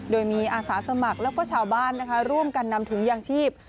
โดยมีอาสาสมัครแล้วก็ชาวบ้านนะคะร่วมกันนำถุงยางชีพ